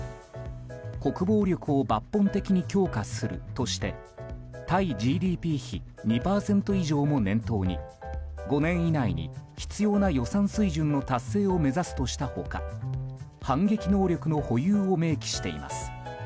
国防力を抜本的に強化するとして対ＧＤＰ比２％以上も念頭に５年以内に必要な予算水準の達成を目指すとした他反撃能力の保有を明記しています。